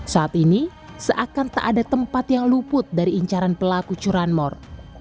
saat ini seakan tak ada tempat yang luput dari incaran pelaku curanmor